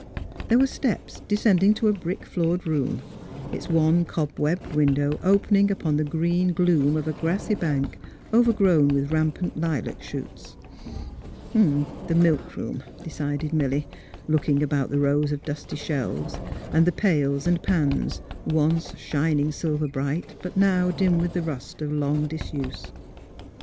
There were steps de scending to a brick floored room, its one cob webbed window opening upon the green gloom of a grassy bank overgrown with rampant lilac shoots. *' The milkroom," decided Milly, looking about the rows of dusty shelves, and the pails and pans, once shining silver bright, but now dim with the rust of long disuse.